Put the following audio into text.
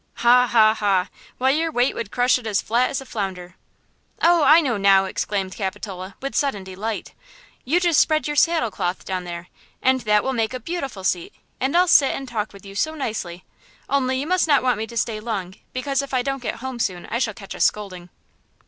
"Ha, ha, ha! Why your weight would crush it as flat as a flounder!" "Oh, I know now!" exclaimed Capitola, with sudden delight; "you just spread your saddle cloth down there, and that will make a beautiful seat, and I'll sit and talk with you so nicely–only you must not want me to stay long, because if I don't get home soon I shall catch a scolding."